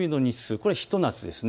これはひと夏です。